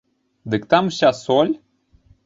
Дык там уся соль?